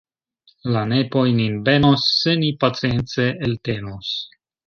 La nepoj nin benos se ni pacience eltenos!